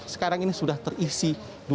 sekarang ini sudah terisi dua ratus tiga puluh lima